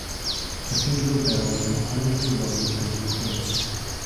Cathedral bells reportedly rung during the quake.